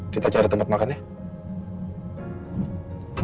kita cari tempat makan ya